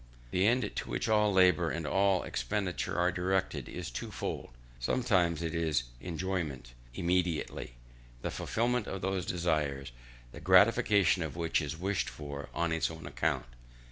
The end to which all labour and all expenditure are directed, is twofold. Sometimes it is enjoyment immediately; the fulfilment of those desires, the gratification of which is wished for on its own account.